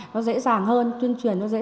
nó dễ dàng hơn tuyên truyền nó dễ dàng